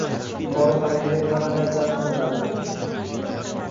- yuqori malakali kadrlar jalb qilinadi;